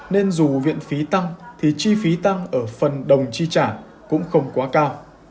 nên dù viện phí tăng thì chi phí tăng ở phần đồng chi trả cũng không quá cao